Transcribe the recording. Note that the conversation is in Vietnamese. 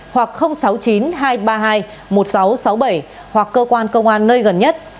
hoặc sáu mươi chín hai trăm ba mươi hai một nghìn sáu trăm sáu mươi bảy hoặc cơ quan công an nơi gần nhất